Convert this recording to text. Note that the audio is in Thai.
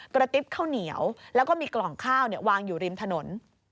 กระติ๊บข้าวเหนียวแล้วก็มีกล่องข้าววางอยู่ริมถนน